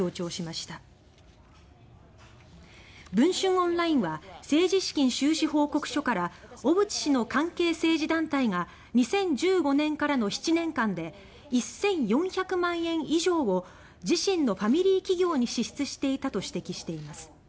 オンラインは政治資金収支報告書から小渕氏の関係政治団体が２０１５年からの７年間で１４００万円以上を自身のファミリー企業に支出していたと指摘しています。